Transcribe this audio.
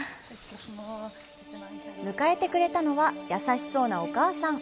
迎えてくれたのは、優しそうなお母さん。